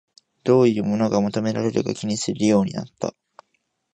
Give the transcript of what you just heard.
どういうものが求められるか気にするようになった